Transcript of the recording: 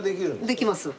できます。